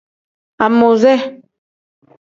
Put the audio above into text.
Amuuze.